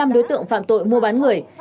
bảy mươi năm đối tượng phạm tội mua bán người